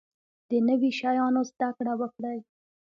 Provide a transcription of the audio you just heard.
د نوي شیانو زده کړه وکړئ